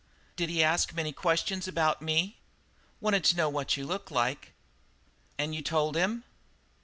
"Did he ask many questions about me?" "Wanted to know what you looked like." "And you told him?"